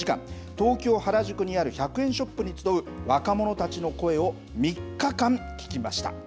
東京・原宿にある１００円ショップに集う若者たちの声を３日間、聴きました。